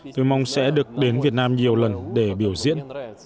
tôi mong sẽ được đến việt nam nhiều lần để biểu diễn